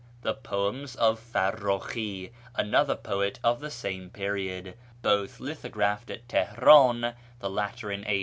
The poems of Farrukhi, another poet of the same jjeriod, both lithographed at Teheran, the latter in A.